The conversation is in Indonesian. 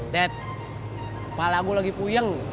net kepala gue lagi puyeng